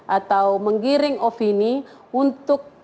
atau menggiring opini untuk